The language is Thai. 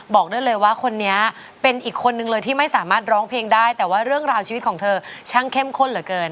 บอกได้เลยว่าคนนี้เป็นอีกคนนึงเลยที่ไม่สามารถร้องเพลงได้แต่ว่าเรื่องราวชีวิตของเธอช่างเข้มข้นเหลือเกิน